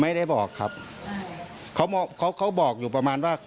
ไม่ได้บอกครับเขาเขาเขาบอกอยู่ประมาณว่า